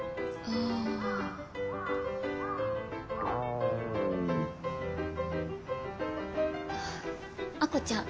あ亜子ちゃん